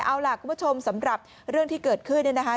เอาล่ะคุณผู้ชมสำหรับเรื่องที่เกิดขึ้นเนี่ยนะคะ